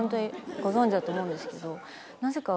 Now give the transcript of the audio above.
ご存じだと思うんですけどなぜか。